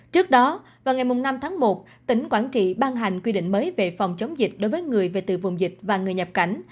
trước đó vào ngày năm tháng một tỉnh quảng trị ban hành quy định mới về phòng chống dịch đối với người về từ vùng dịch và người nhập cảnh